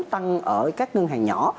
tăng ở các ngân hàng nhỏ